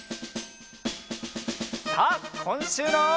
さあこんしゅうの。